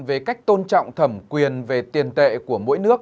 về cách tôn trọng thẩm quyền về tiền tệ của mỗi nước